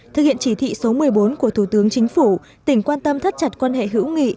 thực hiện chỉ thị số một mươi bốn của thủ tướng chính phủ tỉnh quan tâm thắt chặt quan hệ hữu nghị